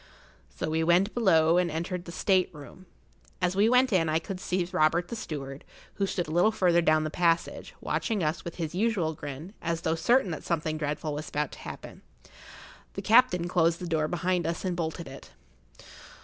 So we went below, and entered[Pg 59] the state room. As we went in I could see Robert the steward, who stood a little further down the passage, watching us, with his usual grin, as though certain that something dreadful was about to happen. The captain closed the door behind us and bolted it.